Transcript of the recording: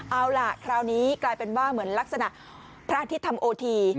เอาล่ะคราวนี้กลายเป็นว่าเหมือนลักษณะพระอาทิตย์ทำโอที